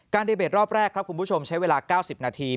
การดีเบจรอบแรกใช้เวลา๙๐นาที